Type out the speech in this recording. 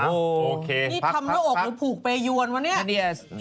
นี่ทำให้หน้าอกหนูผูกไปยวนวันนี้